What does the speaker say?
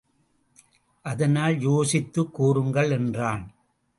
அதனால் யோசித்துக் கூறுங்கள் என்றான்.